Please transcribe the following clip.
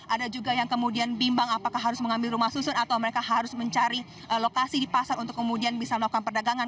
ada juga yang kemudian bimbang apakah harus mengambil rumah susun atau mereka harus mencari lokasi di pasar untuk kemudian bisa melakukan perdagangan